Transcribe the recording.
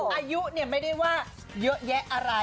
อายุไม่ได้ว่าเยอะแยะอะไร